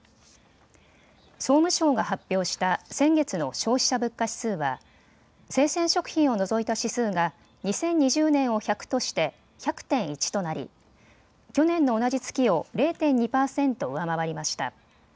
総務省が発表した先月の消費者物価指数は生鮮食品を除いた指数が２０２０年を１００として１００．１となり去年の同じ月を０．２％上回りました。